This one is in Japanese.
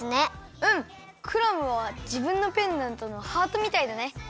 うんクラムはじぶんのペンダントのハートみたいだね。